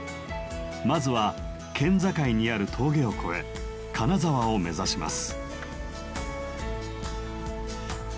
まずは県境にある峠を越え金沢を目指します。